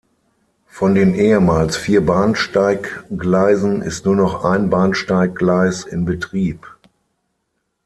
Von den ehemals vier Bahnsteiggleisen ist nur noch ein Bahnsteiggleis in Betrieb.